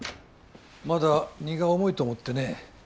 まだ荷が重いと思ってね